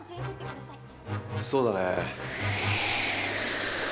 そうだね。